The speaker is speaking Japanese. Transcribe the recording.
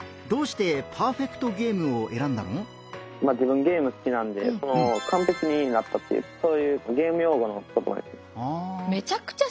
自分ゲーム好きなんでかんぺきになったっていうそういうゲーム用語の言葉です。